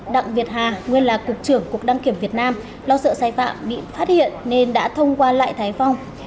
đặng việt hà nguyên là cục trưởng cục đăng kiểm việt nam lo sợ sai phạm bị phát hiện nên đã thông qua lại thái phong